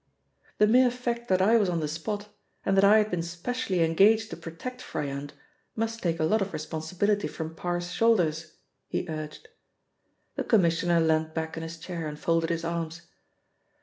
"The mere fact that I was on the spot, and that I had been specially engaged to protect Froyant, must take a lot of responsibility from Parr's shoulders," he urged. The Commissioner leant back in his chair and folded his arms.